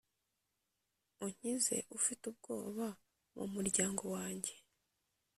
unkize ufite ubwoba mu muryango wanjye,